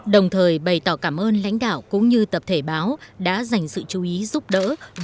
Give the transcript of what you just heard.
đồng thời bày tỏ cảm ơn lãnh đạo cũng như tập thể báo đã dành sự chú ý giúp đỡ